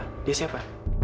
mas wisnu itu siapa